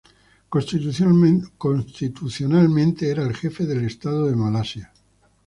Constitucionalmente, era el jefe de estado de Malasia.